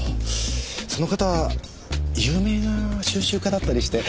その方有名な収集家だったりして。